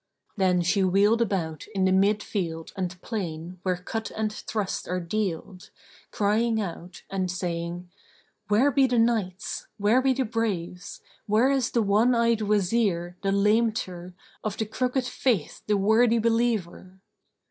Then she wheeled about in the mid field and plain where cut and thrust are dealed, crying out and saying, "Where be the Knights? Where be the Braves? Where is the one eyed Wazir, the lameter, of the crooked faith[FN#14] the worthy believer?"